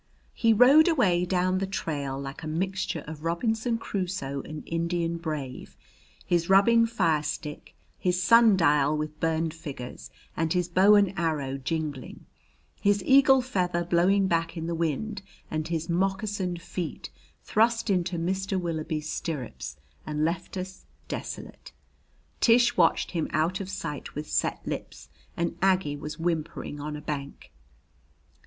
He rode away down the trail like a mixture of Robinson Crusoe and Indian brave, his rubbing fire stick, his sundial with burned figures, and his bow and arrow jingling, his eagle feather blowing back in the wind, and his moccasined feet thrust into Mr. Willoughby's stirrups, and left us desolate. Tish watched him out of sight with set lips and Aggie was whimpering on a bank.